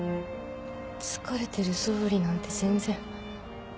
疲れてるそぶりなんて全然。